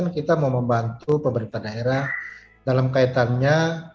kita mau membantu pemerintah daerah dalam kaitannya